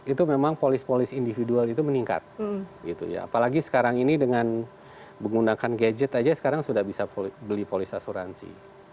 itu memang polis polis individual itu meningkat apalagi sekarang ini dengan menggunakan gadget aja sekarang sudah bisa beli polis asuransi